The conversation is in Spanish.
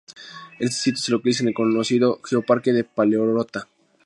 Este sitio se localiza en el conocido geoparque de Paleorrota.